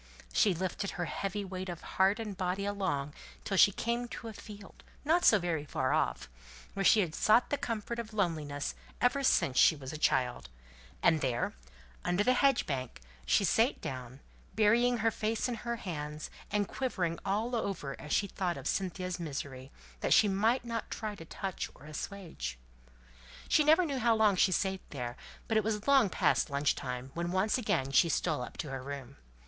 She lifted her heavy weight of heart and body along till she came to a field, not so very far off, where she had sought the comfort of loneliness ever since she was a child; and there, under the hedge bank, she sate down, burying her face in her hands, and quivering all over as she thought of Cynthia's misery, which she might not try to touch or assuage. She never knew how long she sate there, but it was long past lunch time when once again she stole up to her room.